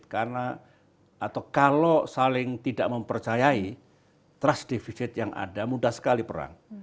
karena atau kalau saling tidak mempercayai keras keras yang ada mudah sekali perang